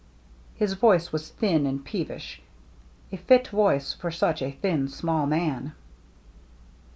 His voice was thin and peevish, a fit voice for such a thin, small man.